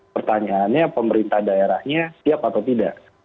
pertanyaannya pemerintah daerahnya siap atau tidak